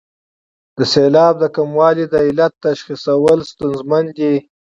د سېلاب د کموالي د علت تشخیصول ستونزمن دي.